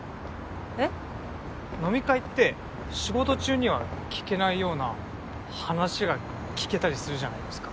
えっ？飲み会って仕事中には聞けないような話が聞けたりするじゃないですか。